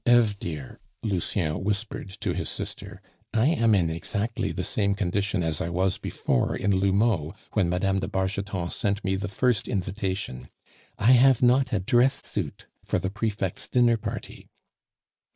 "Eve, dear," Lucien whispered to his sister, "I am exactly in the same condition as I was before in L'Houmeau when Mme. de Bargeton sent me the first invitation I have not a dress suit for the prefect's dinner party."